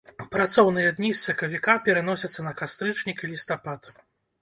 Працоўныя дні з сакавіка пераносяцца на кастрычнік і лістапад.